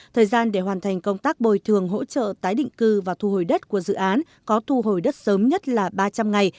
thời gian để hoàn thành công tác bồi thường hỗ trợ tái định cư và thu hồi đất của dự án có thu hồi đất sớm nhất là ba trăm linh ngày